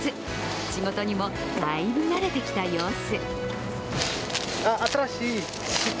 仕事にもだいぶ慣れてきた様子。